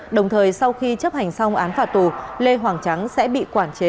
đồng thời sau khi chấp hành xong án phạt tù lê hoàng trắng sẽ bị quản chế